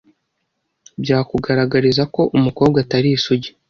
byakugaragariza ko umukobwa atari isugi